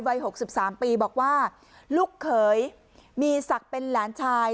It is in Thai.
วัย๖๓ปีบอกว่าลูกเขยมีศักดิ์เป็นหลานชาย